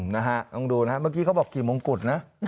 นะฮะลองดูนะเมื่อกี้เขาบอกกี่มงกุฎนะ